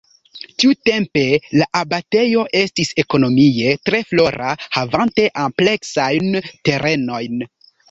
Tiutempe la abatejo estis ekonomie tre flora havante ampleksajn terenojn.